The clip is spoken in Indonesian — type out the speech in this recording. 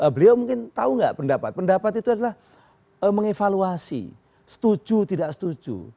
beliau mungkin tahu nggak pendapat pendapat itu adalah mengevaluasi setuju tidak setuju